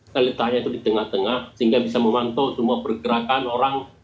letaknya itu di tengah tengah sehingga bisa memantau semua pergerakan orang